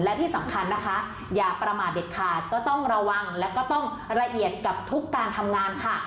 และที่สำคัญนะคะอย่าประมาทเด็ดขาดก็ต้องระวังแล้วก็ต้องละเอียดกับทุกการทำงานค่ะ